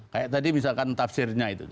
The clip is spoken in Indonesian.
kayak tadi misalkan tafsirnya itu